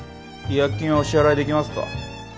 違約金はお支払いできますか？